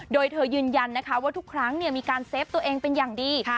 โดยเธอยืนยันนะคะว่าทุกครั้งมีการเซฟตัวเองเป็นอย่างดี